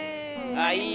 あぁいい！